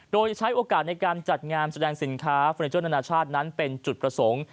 โดยจะใช้โอกาสในการจัดงานแสดงสินค้าเฟอร์เนเจอร์นานาชาตินั้นเป็นจุดประสงค์